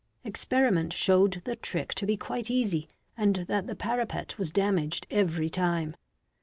Experiment showed the trick to be quite easy and that the parapet was damaged every time.